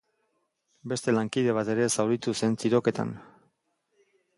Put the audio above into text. Beste lankide bat ere zauritu zen tiroketan.